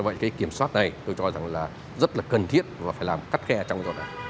vậy cái kiểm soát này tôi cho rằng là rất là cần thiết và phải làm cắt khe trong rõ ràng